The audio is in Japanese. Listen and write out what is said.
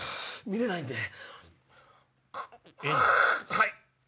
はい。